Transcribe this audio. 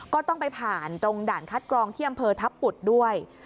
ก็ต้องไปผ่านตรงด่านคัดกรองที่อำเภอทัพปุดด้วย